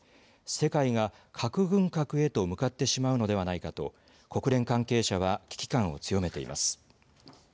世界が核軍拡へと向かってしまうのではないかと国連関係者は危機感を強めています。